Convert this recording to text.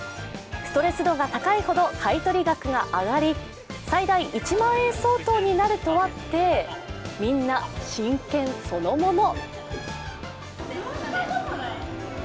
ストレス度が高いほど買取額が上がり最大１万円相当になるとあってみんな、真剣そのもの。